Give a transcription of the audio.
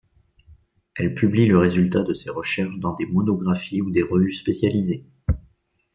Elle publie le résultat de ses recherches dans des monographies ou des revues spécialisées.